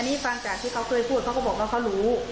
นี่ฟังจากที่เขาเคยพูดเขาก็บอกว่าเขารู้